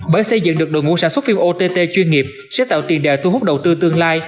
bởi xây dựng được đội ngũ sản xuất phim ott chuyên nghiệp sẽ tạo tiền đề thu hút đầu tư tương lai